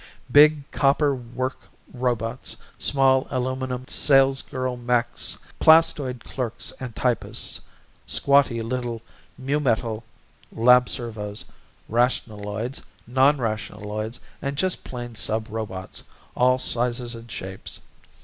Big copper work robots, small aluminum sales girl mechs, plastoid clerks and typists, squatty little Mumetal lab servos, rationaloids, non rationaloids and just plain sub robots all sizes and shapes.